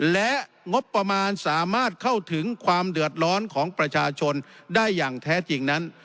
และงบประมาณสามารถเข้าถึงความเดือดร้อนของประชาชนได้อย่างแท้จริงนั้น